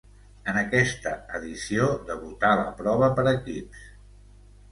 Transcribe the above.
En aquesta edició debutà la prova per equips.